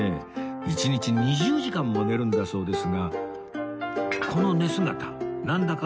１日２０時間も寝るんだそうですがこの寝姿なんだか